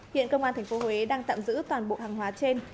hiện công an tp huế đang tạm giữ toàn bộ hàng hóa trên